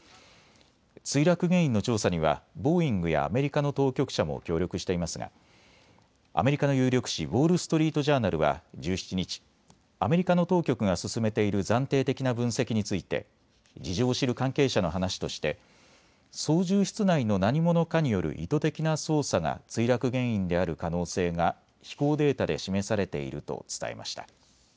墜落原因の調査にはボーイングやアメリカの当局者も協力していますがアメリカの有力紙、ウォール・ストリート・ジャーナルは１７日、アメリカの当局が進めている暫定的な分析について事情を知る関係者の話として操縦室内の何者かによる意図的な操作が墜落原因である可能性が飛行データで示されていると伝えました。